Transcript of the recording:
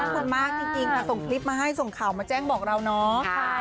จริงส่งคลิปมาให้ส่งข่าวมาแจ้งบอกเราเนาะ